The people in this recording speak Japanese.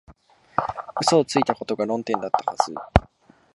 嘘をついたことが論点だったはず